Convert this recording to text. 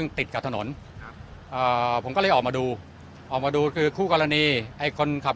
ไม่ตะบันหน้าให้ก็ดีครับ